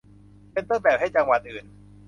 เป็นต้นแบบให้จังหวัดอื่น